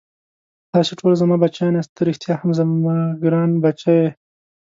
تاسې ټوله زما بچیان یاست، ته ريښتا هم زما ګران بچی یې.